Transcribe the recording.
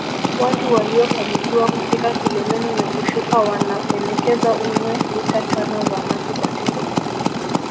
Watu waliofanikiwa kufika kileleni na kushuka wanapendekeza unywe lita tano za maji kwa siku